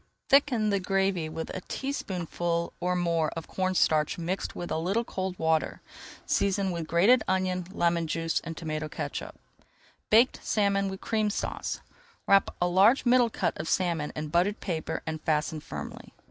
Thicken the gravy with a teaspoonful or more of cornstarch mixed with a little cold water. Season with grated onion, lemon juice, and tomato catsup. BAKED SALMON WITH CREAM SAUCE Wrap a large middle cut of salmon in buttered paper and fasten firmly.